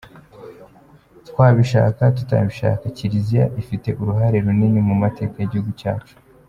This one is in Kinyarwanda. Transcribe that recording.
Twabishaka tutabishaka Kiliziya ifite uruhare runini mu mateka y’igihugu cyacu.